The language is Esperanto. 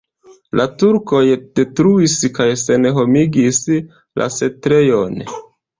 La turkoj detruis kaj senhomigis la setlejon.